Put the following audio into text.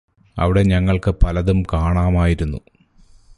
അവിടെ ഞങ്ങള്ക്ക് പലതും കാണാമായിരുന്നു